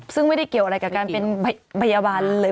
ซึ่งไม่ได้เกี่ยวอะไรกับการเป็นพยาบาลเลย